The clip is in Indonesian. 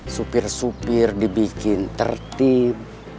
supir supir dibikin tertib